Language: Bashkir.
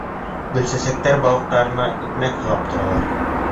Гөлсәсәктәр балыҡтарына икмәк һалып торалар.